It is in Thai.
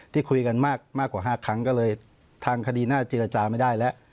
ที่คุยกันมากกว่า๕ครั้งก็เลยทางคดีน่าเจรจาไม่ได้แล้ว